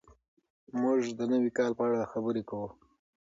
موږ د نوي کال په اړه خبرې کوو.